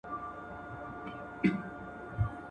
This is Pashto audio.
څوک چي لاس در پوري بند کي، مه ئې غوڅوه.